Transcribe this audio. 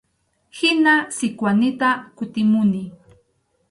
Hina Sikwanita kutimuni.